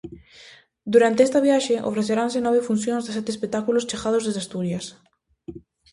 Durante esta viaxe, ofreceranse nove funcións de sete espectáculos chegados desde Asturias.